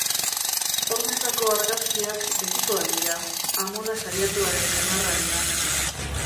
Hormetako argazkiak betikoak dira, amona saiatuaren senarrarenak.